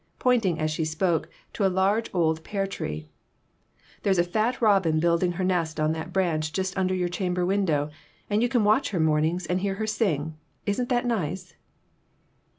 pointing as she spoke, to a large, old pear tree. " There's a fat robin building her nest on that branch just under your chamber window, and you can watch her mornings and hear her sing. Isn't that nice?"